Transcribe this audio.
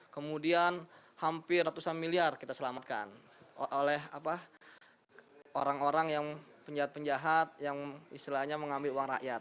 kemudian hampir ratusan miliar kita selamatkan oleh orang orang yang penjahat penjahat yang istilahnya mengambil uang rakyat